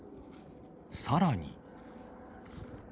さらに。